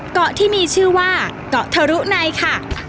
เกาะที่มีชื่อว่าเกาะทะรุในค่ะ